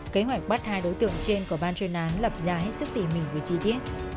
kế hoạch bắt hai đối tượng trên của ban truyền án lập ra hết sức tỉ mỉ về chi tiết